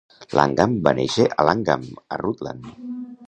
Langham va néixer a Langham a Rutland.